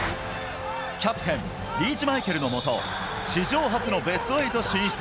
キャプテン、リーチマイケルの下、史上初のベスト８進出。